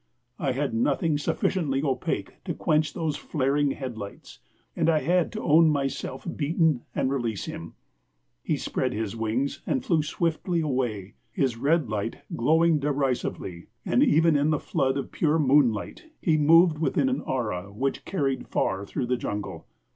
I had nothing sufficiently opaque to quench those flaring headlights, and I had to own myself beaten and release him. He spread his wings and flew swiftly away, his red light glowing derisively; and even in the flood of pure moonlight he moved within an aura which carried far through the jungle.